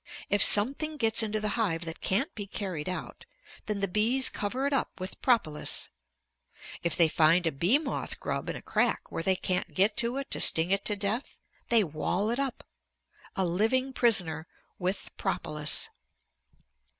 If something gets into the hive that can't be carried out, then the bees cover it up with propolis. If they find a bee moth grub in a crack where they can't get to it to sting it to death, they wall it up, a living prisoner, with propolis.